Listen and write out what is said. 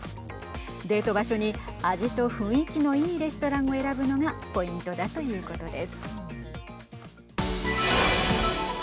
デート場所に味と雰囲気のいいレストランを選ぶのがポイントだということです。